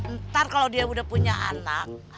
ntar kalau dia udah punya anak